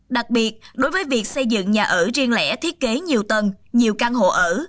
đặc biệt đối với việc xây dựng nhà ở riêng lẻ thiết kế nhiều tầng nhiều căn hộ ở